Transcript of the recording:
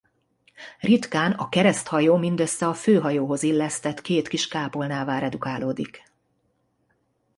Ritkán a kereszthajó mindössze a főhajóhoz illesztett két kis kápolnává redukálódik.